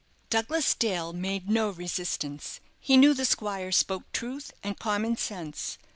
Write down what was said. Douglas Dale made no resistance; he knew the squire spoke truth and common sense.